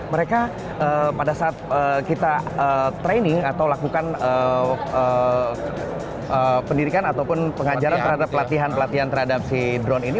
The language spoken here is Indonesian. mereka pada saat kita training atau lakukan pendidikan ataupun pengajaran terhadap pelatihan pelatihan terhadap si drone ini